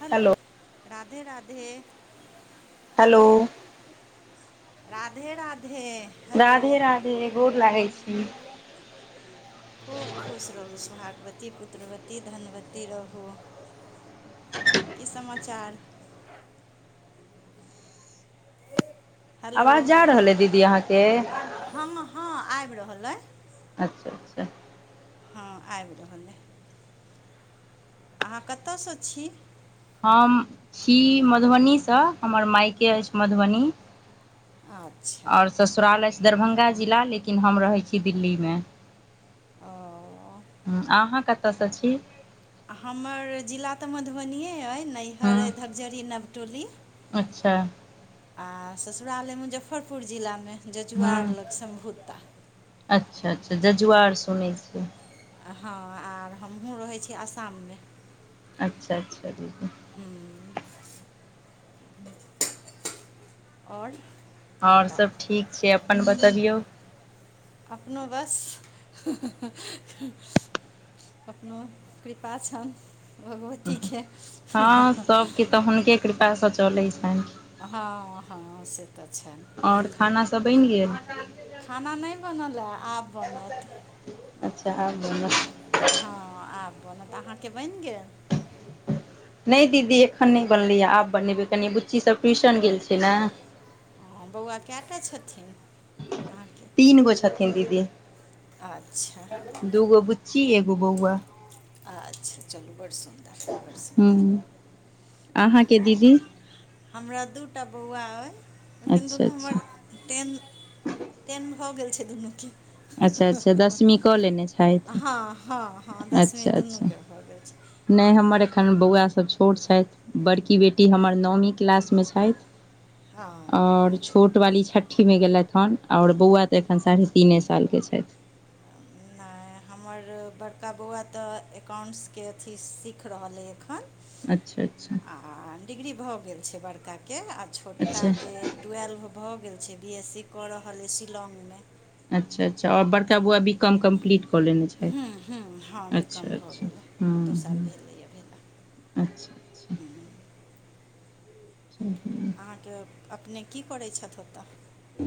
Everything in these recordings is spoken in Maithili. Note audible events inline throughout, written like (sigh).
hello Radhe Radhe hello Radhe Radhe hello Radhe Radhe गोर लागै छै खूब खुश रहू सभाग्वती पुत्रवती धनवती रहू कि समाचार आवाज जा रहल अइ दीदी अहाँ के हा हा आबि रहल अइ अच्छा अच्छा हँ आबि रहल अइ अहाँ कतयसँ छी हम छी मधुबनी सँ हमर मायके अछि मधुबनी अच्छा आओर ससुराल अछि दरभंगा जिला लेकिन हम रहै छी दिल्ली में ओ अहाँ कतऽ सँ छी हमर जिला तऽ मधुबनियए अइ हूँ नैहर अ धकझरी नवटोली अच्छा आ ससुरालय मुजफ्फरपुर जिलामे हूँ जजुआर लग सम्भोता अच्छा अच्छा जजुआर सुनै छियै हाँ और हमहुँ रहै छी असाम में अच्छा अच्छा दीदी ह्म ओर और सब ठीक छै अपन बतबियौ अपनो बस अपनो कृपा छैन भगवती के की तऽ हुनके कृपासँ चलै छनि हाँ हा से तऽ छैन और खाना सभ बनि गेल खाना नै बनल हए आब बनत अच्छा आब (unintelligible) हँ आब बनत तऽ अहाँके बनि गेल नहि दीदी एखन नहि बनलैय आब बनेबै कनि बुच्चीसभ ट्यूशन गेल छै ने हँ बौआ कएटा छथिन अहाँके तीन गो छथिन दीदी अच्छा दूगो बुच की एगो बौआ अच्छा चलू बड़ सुन्दर बड़ सु हूँ अहाँ के दीदी हमरा दूटा बौआ अई लेकिन अच्छा दुनू अच्छा हमर टेन टेन भऽ गेल छै दुनूके अच्छा अच्छा दसमी कऽ लेने छथि हँ हँ हँ दसवीं अच्छा दुनू अच्छा के भगैल छै नहि हमर एखन हूँ, बौआसभ छोट छथि बड़की बेटी हमर नओमी क्लासमे छथि हँ ओर छोट वाली छट्ठी में गेलथि हेन और बौआ तऽ एखन साढ़े तीने साल के छैथ नै हमर बड़का बौआ तऽ एकाउंट्स के अथी सीख रहल अइ एखन अच्छा अच्छा आ डिग्री भऽ गेल छै बड़का के आ छोटका अच्छा के ट्वेल्व भऽ गेल छै बी एस स कऽ रहल अइ शिलोग में अच्छा अच्छा ओ बड़का बौआ वि काॅम कमपिलीट क लेने छै हूँ हूँ हँ बी अच्छा कॉम भऽ अच्छा गेल दू साल भेलैए भेला अच्छा अच्छा हूँ ह ह अहाँ के अपने की करै छथि ओतऽ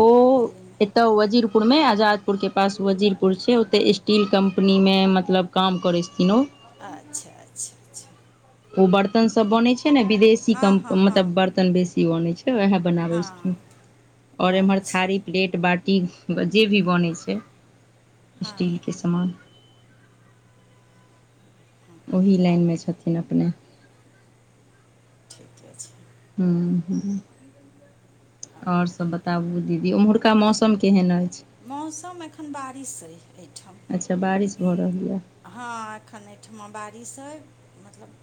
ओ दिल्लीमे एतय वजीरपुर मे आजादपुर के पास वजीरपुर छै ओते स्टील कम्पनी मे मतलब काम करै छथिन ओ अच्छा अच्छा अच्छा ओ बर्तन सब बनै छै ने विदेश सी हँ हँ कोम हँ बर्तन बेसी बौनय छै बेहा बनाबैय छथीन हँ और ऐम्हर अच्छा प्लेट बाटी जे भी बनै छै हँ स्टील के समान ओही लाईनमे छथिन अपने ठीके अछि हूँ आओर सभ बताबू दीदी ओम्हुरका मौसम केहन अछि मौसम एखन बारिश अइ एहिठाम अच्छा बारिश भऽ रहलीए यऽ हँ एखन एहिठमा बारिश अइ मतलब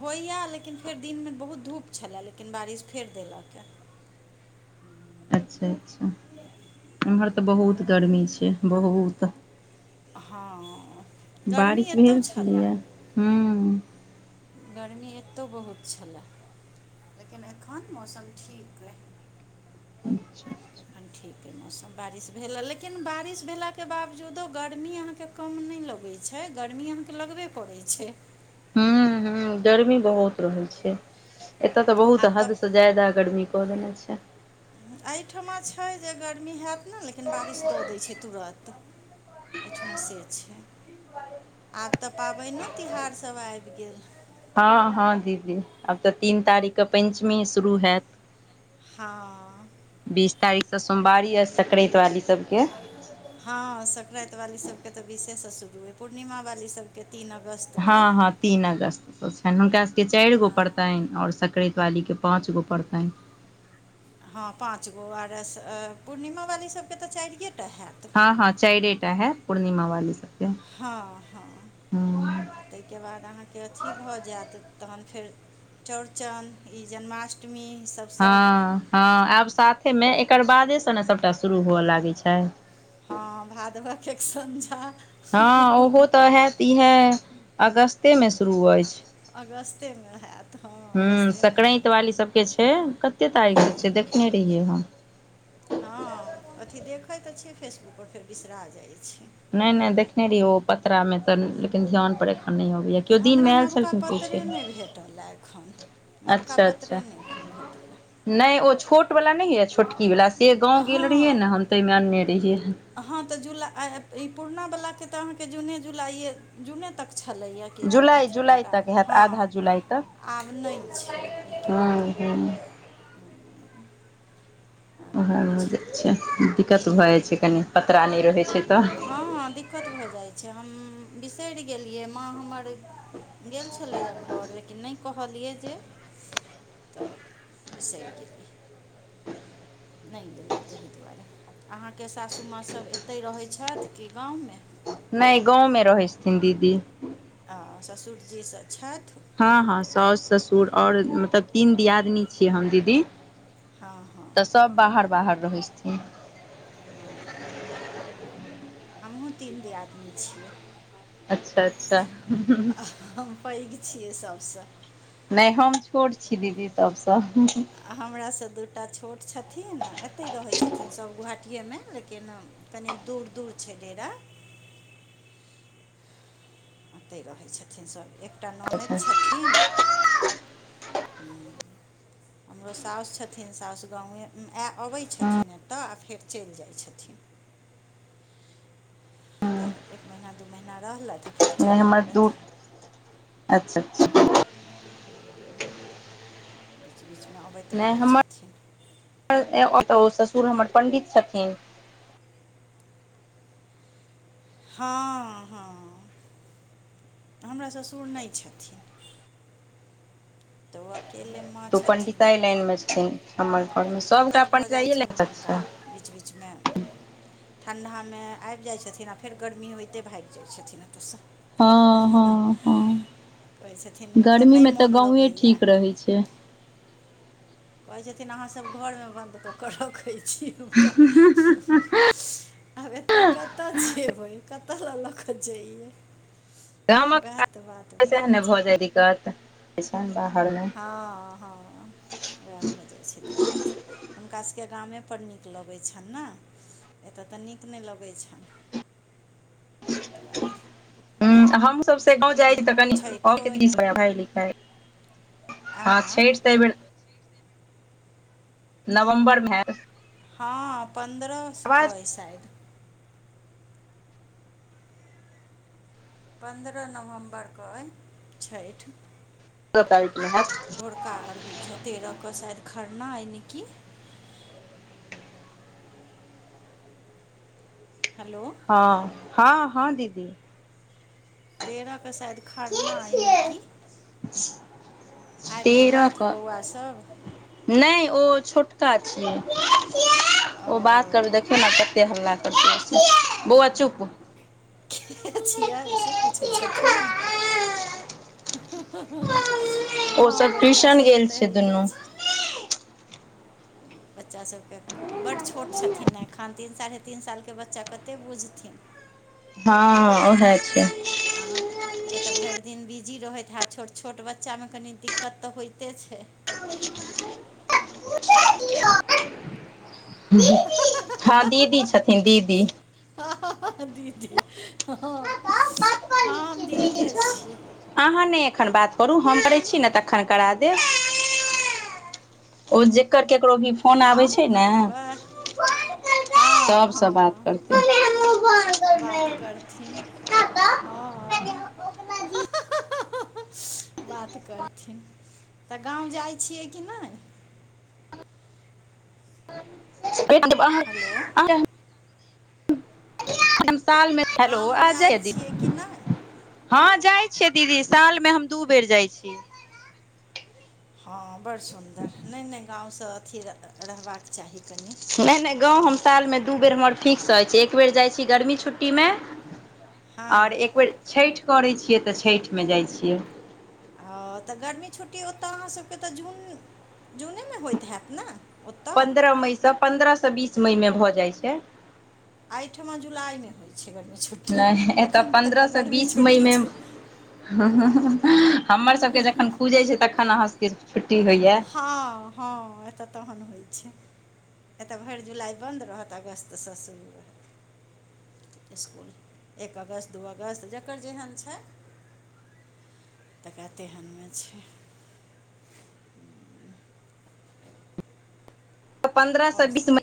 होइए लेकिन फेर दिनमे बहुत धूप छलए लेकिन बारिश फेर देलकय अच्छा अच्छा ऐमहर तऽ बहुत गर्मी छै बहुत हाँ गर्मी एतहु छलए हँ गर्मी एतौ बहुत छलै लेकिन एखन मौसम ठीक ये अच्छा अच्छा एखन ठीक अइ मौसम बारिश भेल ह लेकिन बारिश भेला के बावजूदो गर्मी अहाँ के कम नहि लगै छै गर्मी अहाँके लगबे करै छै ह्म ह्म गर्मी बहुत रहै छै एतय तऽ बहुत आब हद तऽ से ज्यादा गर्मी कऽ देने छै एहिठमा छै जे गर्मी हयत ने तँ लेकिन बारिश दऽ दै छै तुरंत एहिठमा से छै आब तऽ पाबइनो तिहार सभ आबि गेल हँ हँ दीदी आब तऽ तीन तारीखके पञ्चमी शुरू हैत हँ बीस तारीखसँ सोमवारी आर सक्रातिवारी सबके हँ संक्राति वाली सब के तऽ विशेष शुरू ह पूर्णिमा वाली सब के तीन अगस्त हँ हँ तीन अगस्तसँ छनि हुनका सबके चारि गो हँ पड़तनि आओर सक्रैतवालीके पाँच गो पड़तनि हँ पाँच गो आर पूर्णिमा वाली सभके तऽ चारि टा हैत हँ हँ चारिटा हेत पूर्णिमा वाली सबके हँ हँ ताहिके बाद अहाँके अथी भऽ जायत तहन फेर चौरचन ई जन्माष्टमी ईसभ हँ हँ आब साथेमे एकर बादेसँ ने सभटा शुरू हुअ लागैत छै हँ भादवह एक संझा हँ ओहो तऽ हैत इएह अगस्तेमे शुरू अछि अगस्तेमे हेत हँ अगस्तेमे हयत के छै कते तारीख के छै देखने रहियै हम हँ अथी देखैत तऽ छियै फेसबुकपर फेर बिसरा जाय छै नहि नहि देखने रहियै पतरा मे तऽ लेकिन ध्यान पर एखन नहि आबैय हमरा नबका पत्र्तरे नहि भेटल हय एखन नवका अच्छा अच्छा पत्रे नहि एखन भेटल नहि ओ छोट वला नहि य होए छोटकी वाला ए गाँव हँ गेल रहियै ने हम तेहिमे अनने रहियै हँ तऽ जुला ई पुरना वलाके तऽ अहाँके जूने जुलाइ जूने तक छलैएा की जुलाई अथी जुलाई तक हैत हँ आधा जुलाई तक आब नहि छै एहिके बाद (unintelligible) आब उएह नहि हो जाई छै दिक्कत भऽ जाइ छै कनि पतरा नहि रहै छै तऽ हँ दिक्कत भऽ जाइ छै हम बिसरि गेलियै माँ हमर गेल छलैया घर लेकिन नहि कहलियै जे तऽ बिसरि गेलियै नहि लेलै ताहि दुआरे अहाँके सासु माँ सब एते रहै छथि की गाँवमे नहि गाँवमे रहै छथिन दीदी आ ससुरजीसँ छथि हँ हँ साउस ससुर आओर मतलब तीन दियादनी छियै हम दीदी हँ हँ तऽ सभ बाहर बाहर रहै छथिन हँ हमहुँ तीन दियादनी छियै अच्छा अच्छा हम पैघ छियै सभसँ नहि हम छोट छी दीदी सभसँ आ हमरा से दूटा छोट छथिन एते रहै छथिन सब गुहाटी अथियएमे लेकिन कनि दूर दूर छै डेरा ओतहि रहै छथिन सभ एकटा ननैद अच्छा छथिन हमरो साउस छथिन साउस गाँवमे आ अबै छथिन एतऽ आ फेर चलि जाइ छथिन तऽ एक महीना दू महीना रहलथि ह नहि हमर दूर अच्छा बीचमे अबैत रहै छथिन ओतऽ ओ ससुर हमर पण्डित छथिन हँ हँ हमरा ससुर नहि छथिन तऽब (unintelligible) केलेमे तऽ पंडितइ लाइन मे छथिन हमर तऽ घरमे कनी सभटा दिक्कत भऽ पंडित जाइ लाइन छनि हुनका बीच बीचमे ठण्ढामे आबि जाइत छथिन आ फेर गर्मी होइते भागि जाइत छथिन ओतयसँ हँ हँ हँ कहै छथिन एतऽ नहि गर्मीमे तऽ मोन गाँवए लगैए ठीक रहै छै कहै छथिन अहाँसभ घरमे बन्द कऽ क रखै छी हमरा आब एतऽ कतऽ जबै कतय ल लऽ कऽ जइयै उएह तऽ बात गामकसह ने छै भऽ जाइ दिक्कत अइसन बाहरमे हँ हँ उएह भऽ जाइत छै दिक्कत हुनकास सभके गामेपर नीक लगै छनि ने एतय तऽ नीक नहि लगै छनि हूँ हमहूँ सभ से जाइ फेर छी तऽ छठिओ अइ कनिई न पढ़ाइ लिखाई हँ आँ छठि से एहि बेर नवम्बरमे हँ पन्द्रहके अइ शायद पन्द्रह नवम्बरक यै छठि तत (inaudible) भोरका अर्घ बुझाइते तेरह कऽ शायद खरना यइ ने कि हेलो हँ हँ हँ दीदी तेरह के शायद के खरना अइ नय छियै की आबि तेरह गेलैथ क बौआ सभ नहि ओ छोटका छै ओ ओ बात करै देखियौ ने कते हल्ला करतै बौआ चुप के छिय से पूछै छथिन ओ हँ सब बच्चा ट्यूशन सभके गेल तऽ छै होइते दुनू छै बच्चा सभके बड्ड छोट छथिन ने एखन तीन साले तीन सालके बच्चा कतेक बुझथिन हँ उएह छै अहाँ कि तऽ भरि दिन बिजी रहैत ह आब छोट छोट बच्चामे कनि दिक्कत तऽ होइते छै आ (unintelligible) (inaudible) हँ दीदी छथिन दीदी हँ हँ हँ दीदी हँ हम दीदिए छी अहाँ नहि एखन बात करू हम करै छी ने तखन करा द ओ जेकर ककरो भी फोन आबै अहूँ छै ने करबै हँ सभसँ बात हँ करतय हँ हँ बात करथिन तऽ गाँव जाइ छियै कि नहि फर आ हेलो आ हम सालमे हैेलो गाम आ जा जाइ द छियै कि नहि (unintelligible) हँ जाई छियै दीदी सालमे हम दू बेर जाई छियै हँ बड़ सुन्दर नहि नहि गामवसँ अथी रहबाक चाही कनि नहि नहि गाँव हम सालमे दू बेर हमर फिक्स अछि एक बेर जाई छी गर्मी छुट्टीमे आओर हँ एकबेर छठि करैत छियै तऽ छठिमे जाइत छियै ओ त गर्मी छुट्टी ओतय अहाँ सभके त जून जूने मे होइत हैत ने ओतऽ पन्द्रह मई सँ पन्द्रह सँ बीस मईमे भ जाइ छै एहिठुमा जुलाई में होइ छै गर्मी छुट्टी एखन एतय गर्मी छुट्टी छिये हमरसभके जखन खुजै छै तखन अहाँसभके छुट्टी होइए हँ हँ एत तहन होइ छै एतय भरि जुलाइ बन्द रहत अगस्तसँ शुरू इसकुल एक अगस्त दू अगस्त जकर जेहन छै तऽ कातेहनमे छै पन्द्रह से आओर बीस मे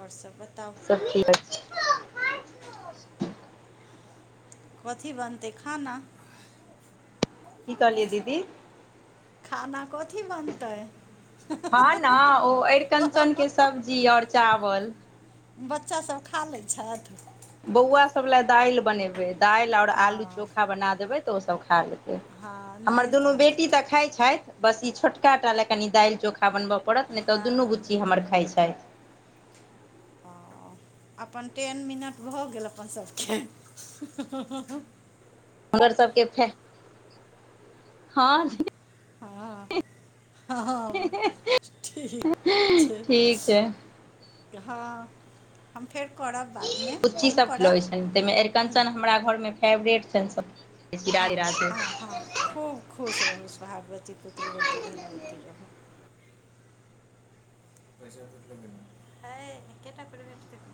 ओर सब बताउ सब ठीक (unintelligible) कथी बनतै खाना की कहलियै दीदी खाना कथी बनतै हँ ने ओ अरिकंचन के सब्जी और चावल बच्चासभ खा लै छथि बौआसभ लए दालि बनेबै दालि आओर हँ आलू चोखा बना देबै तऽ ओसभ खा लेतै हँ हमर नहि दुनू तहन बेटी तऽ ठीक खाय छथि बस ई छोटका टा लए कनि दालि चोखा बनबै पड़त नहि त हँ दुनू बुच्ची हमर खाइ छै ओ अपन टेन मिनट भऽ गेल अपन सभके हमर सबके फैक् ह हँ हँ हँ हँ ठीक छै ठीक छै हँ हम फेर करब बादमे बुच्ची अहूँ सब करब खिलबै छनि ताहिमे हूँ अरिकंचन हमरा घरमे एअ हँ हँ हँ खूब खुश रहू सहागवती पुत्रवती धनवती रहू (unintelligible)